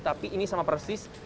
tapi ini sama persis